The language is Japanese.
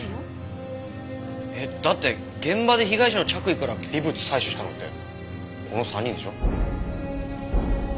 えっだって現場で被害者の着衣から微物採取したのってこの３人でしょ？